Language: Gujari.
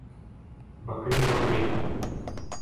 بکری رُڑ گئی